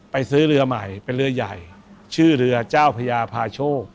ซื้อเรือใหม่เป็นเรือใหญ่ชื่อเรือเจ้าพญาพาโชค